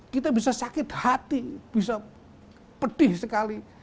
kita bisa sakit hati bisa pedih sekali